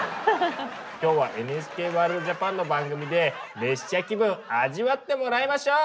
きょうは「ＮＨＫワールドＪＡＰＡＮ」の番組で列車気分味わってもらいましょう！